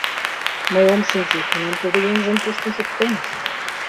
— Мый ом шинче, кунам тудо еҥжым пуштын шуктен?